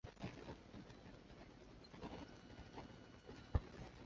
勒蒙塔人口变化图示